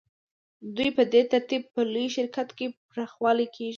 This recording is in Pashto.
دوی په دې ترتیب په لوی شرکت کې برخوال کېږي